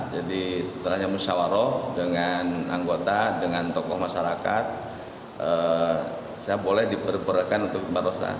jadi setelahnya musyawaro dengan anggota dengan tokoh masyarakat saya boleh diperberakan untuk madrasah